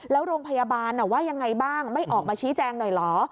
แล้วโรงพยาบาลว่ายังไงบ้างไม่ออกมาชี้แจงหน่อยเหรอ